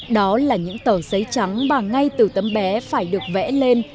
đó là những tờ giấy trắng mà ngay từ tấm bé phải được vẽ lên